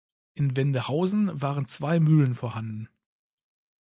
In Wendehausen waren zwei Mühlen vorhanden.